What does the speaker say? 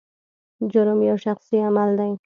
جرم یو شخصي عمل دی.